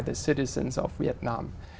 tất cả những việc này